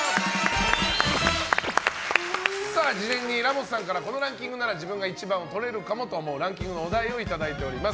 事前にラモスさんからこのランキングなら自分が１番とれるかもと思うランキングのお題をいただいております。